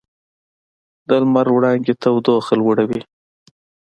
د لمر وړانګې تودوخه لوړوي.